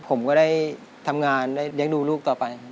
ผมก็ได้ทำงานได้เลี้ยงดูลูกต่อไป